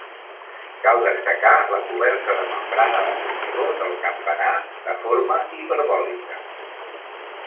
Cal destacar la coberta de membrana de formigó del campanar, de forma hiperbòlica.